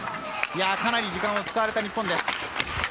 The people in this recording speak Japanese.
かなり時間を使われた日本です。